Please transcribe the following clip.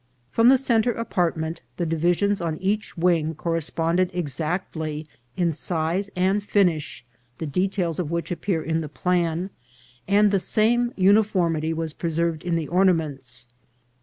From the centre apartment the divisions on each wing corresponded exactly in size and finish, the de tails of which appear in the plan, and the same uni formity was preserved in the ornaments.